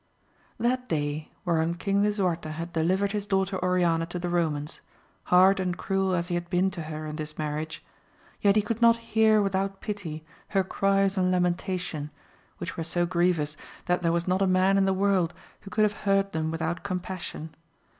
HAT day whereon King Lisuarte had de livered his daughter Oriana to the Romans, hard and cruel as. he had been to her in this marriage, yet could he not hear without pity her cries and lamentation, which were so grievous that there was not a man in the world who could have heard them without compassion.